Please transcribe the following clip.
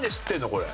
これ。